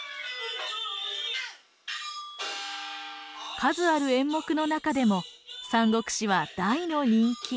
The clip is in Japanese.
数ある演目の中でも「三国志」は大の人気。